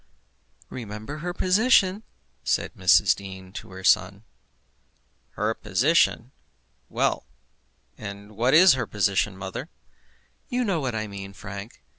"Remember her position," said Mrs. Dean to her son. "Her position! Well; and what is her position mother?" "You know what I mean, Frank.